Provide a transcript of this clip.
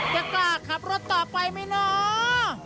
จะกล้าขับรถต่อไปไหมเนาะ